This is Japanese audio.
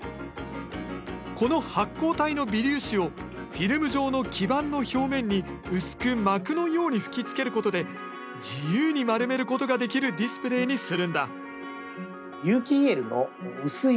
この発光体の微粒子をフィルム状の基板の表面に薄く膜のように吹きつけることで自由に丸めることができるディスプレーにするんだ。